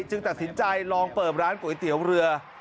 ตัดสินใจลองเปิดร้านก๋วยเตี๋ยวเรือ